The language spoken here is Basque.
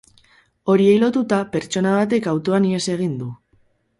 Horiei lotuta, pertsona batek autoan ihes egin du.